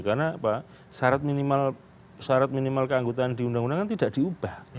karena syarat minimal keanggotaan di undang undang tidak diubah